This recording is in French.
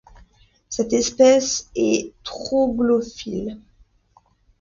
Cette espèce est troglophiles.